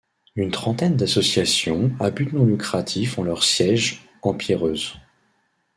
Une trentaine d'associations à but non lucratif ont leur siège en Pierreuse.